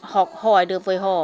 học hỏi được với họ